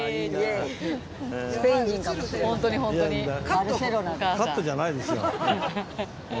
カットじゃないですよ。